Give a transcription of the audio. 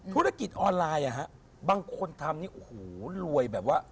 ธุรกิจออนไลน์บางคนทำเรวยแบบว่า